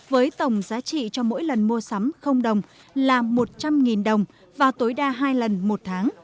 với tổng giá trị cho mỗi lần mua sắm không đồng là một trăm linh đồng và tối đa hai lần một tháng